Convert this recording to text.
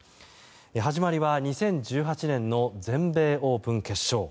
始まりは２０１８年の全米オープン決勝。